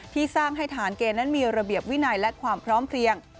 ที่สร้างให้ฐานเกณฑ์นั้นมีระเบียบวินัยและความพร้อมเพลียง